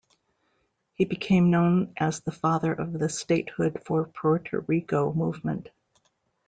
He became known as the father of the statehood for Puerto Rico movement.